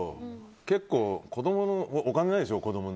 結構、子供の時お金ないでしょ。